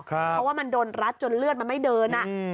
เพราะว่ามันโดนรัดจนเลือดมันไม่เดิน